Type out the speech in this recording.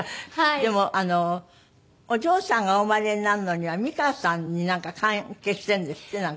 でもお嬢さんがお生まれになるのには美川さんになんか関係してるんですって？